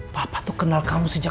papa tuh kenal kamu sejak